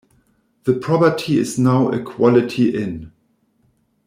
The property is now a Quality Inn.